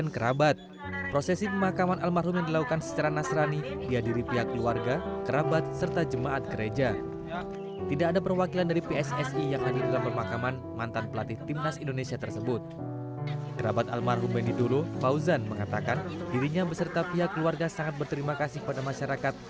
kerabat almarhum beni dolo fauzan mengatakan dirinya beserta pihak keluarga sangat berterima kasih pada masyarakat